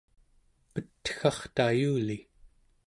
petgartayuli